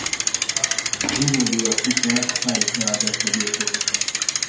A Hunyadyak után a Pályi család lett a birtokosa.